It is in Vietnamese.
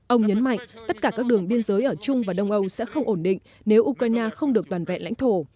ông nhấn mạnh tất cả các đường biên giới ở trung và đông âu sẽ không ổn định nếu ukraine không được toàn vẹn lãnh thổ